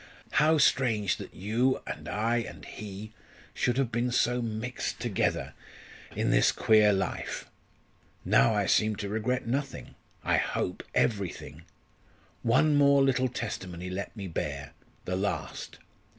"How strange that you and I and he should have been so mixed together in this queer life. Now I seem to regret nothing I hope everything. One more little testimony let me bear! the last.